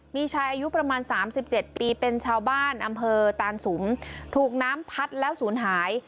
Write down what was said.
มีชายอายุประมาณ๓๗ปีเป็นชาวบ้านอำเภอตานสุมถูกน้ำพัดแล้วศูนย์หาย